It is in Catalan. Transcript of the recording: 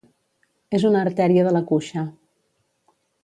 És una artèria de la cuixa.